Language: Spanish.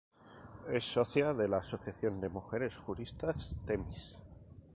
Es socia de la Asociación de mujeres juristas Themis.